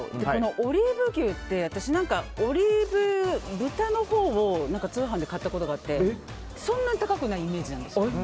オリーブ牛ってオリーブ豚のほうを通販で買ったことがあってそんなに高くないイメージなんですよ。